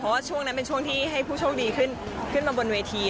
เพราะว่าช่วงนั้นเป็นช่วงที่ให้ผู้โชคดีขึ้นมาบนเวที